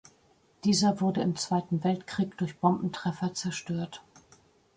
Dieser wurde im Zweiten Weltkrieg durch Bombentreffer zerstört.